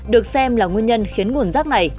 được xem là nguyên nhân khiến nguồn rác này